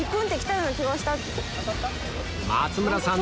松村さん